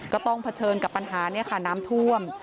ก็ต้องเผชิญกับปัญหาน้ำท่วม